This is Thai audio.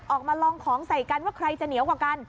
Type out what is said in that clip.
ออกมาลองของใส่กันว่าใครจะเหนียวกว่ากัน